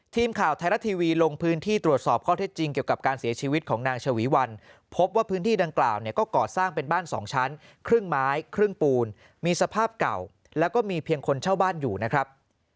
ทีมข่าวไทยรัฐทีวีลงพื้นที่ตรวจสอบข้อเท็จจริงเกี่ยวกับการเสียชีวิตของนางชวีวันพบว่าพื้นที่ดังกล่าวเนี่ยก็ก่อสร้างเป็นบ้าน๒ชั้นครึ่งไม้ครึ่งปูนมีสภาพเก่าแล้วก็มีเพียงคนเช่าบ้านอยู่นะครับ